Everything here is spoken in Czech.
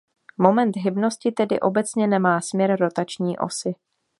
Moment hybnosti tedy obecně nemá směr rotační osy.